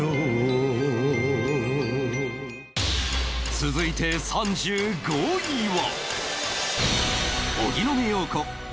続いて３５位は